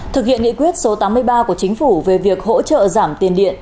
thực hiện nghị quyết số tám mươi ba của chính phủ về việc hỗ trợ giảm tiền điện